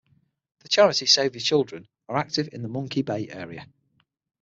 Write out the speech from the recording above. The charity Save the Children are active in the Monkey Bay area.